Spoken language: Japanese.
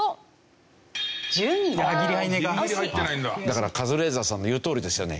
だからカズレーザーさんの言うとおりですよね。